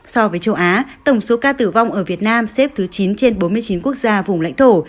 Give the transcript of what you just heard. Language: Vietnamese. so với châu á tổng số ca tử vong ở việt nam xếp thứ chín trên bốn mươi chín quốc gia vùng lãnh thổ